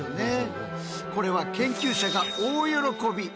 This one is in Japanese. これは研究者が大喜び！